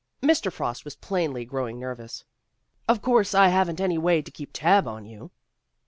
Mr. Frost was plainly growing nervous. "Of course I haven 't any way to keep tab on you.